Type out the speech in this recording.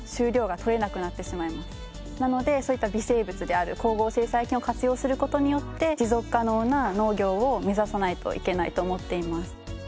なのでそういった微生物である光合成細菌を活用する事によって持続可能な農業を目指さないといけないと思っています。